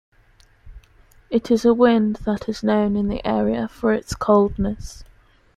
It is a wind that is known in the area for its coldness.